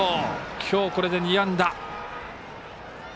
今日、これで２安打。